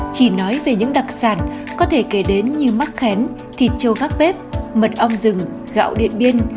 chỉ nói về những đặc sản có thể kể đến như mắc khén thịt trâu các bếp mật ong rừng gạo điện biên